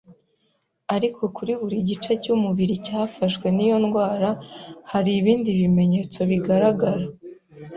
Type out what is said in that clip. ariko kuri buri gice cy’umubiri cyafashwe n’iyo ndwara hari ibindi bimenyetso bigaraga.